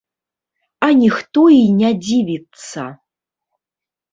А ніхто і не дзівіцца.